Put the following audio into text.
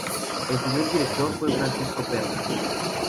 El primer director fue Francisco Pernas.